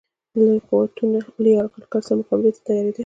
لوی قوتونه له یرغلګر سره مقابلې ته تیارېدل.